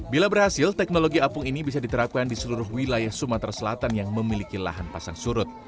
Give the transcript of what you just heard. bila berhasil teknologi apung ini bisa diterapkan di seluruh wilayah sumatera selatan yang memiliki lahan pasang surut